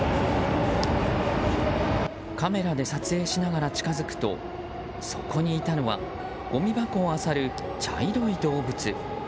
カメラで撮影しながら近づくとそこにいたのはごみ箱をあさる茶色い動物。